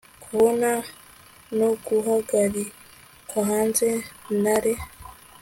kubona no guhagarikwahanze na re